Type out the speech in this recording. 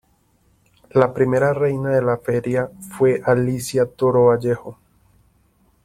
La primera reina de la Feria fue Alicia Toro Vallejo.